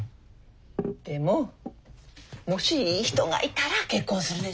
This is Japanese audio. でももしいい人がいたら結婚するでしょう？